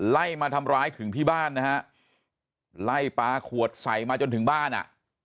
ไล่มาทำร้ายถึงที่บ้านนะฮะไล่ปลาขวดใส่มาจนถึงบ้านอ่ะ